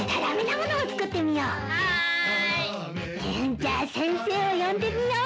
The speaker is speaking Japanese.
じゃあ先生を呼んでみよう。